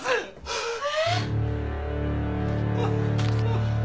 ああ。